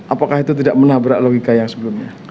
apakah itu tidak menabrak logika yang sebelumnya